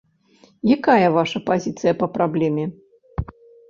Якая ваша пазіцыя па праблеме?